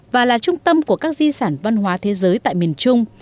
và là trung tâm của các di sản văn hóa thế giới tại miền trung